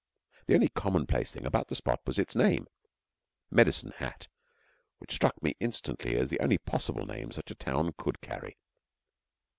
The only commonplace thing about the spot was its name Medicine Hat, which struck me instantly as the only possible name such a town could carry.